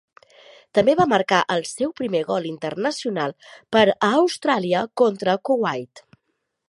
També va marcar el seu primer gol internacional per a Austràlia contra Kuwait.